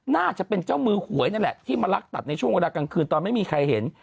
น่าจะเป็นเจ้ามือหวยนั่นแหละที่มาลักตัดในช่วงเวลากลางคืนตอนไม่มีใครเห็น